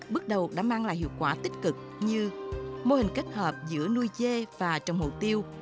bước đầu đã mang lại hiệu quả tích cực như mô hình kết hợp giữa nuôi dê và trồng hồ tiêu